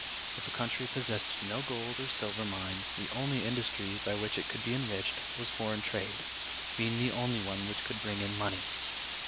If a country possessed no gold or silver mines, the only industry by which it could be enriched was foreign trade, being the only one which could bring in money.